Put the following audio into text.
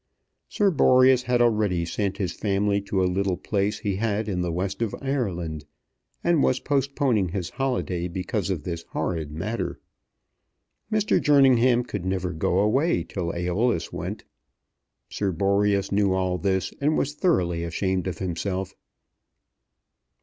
Sir Boreas had already sent his family to a little place he had in the West of Ireland, and was postponing his holiday because of this horrid matter. Mr. Jerningham could never go away till Æolus went. Sir Boreas knew all this, and was thoroughly ashamed of himself.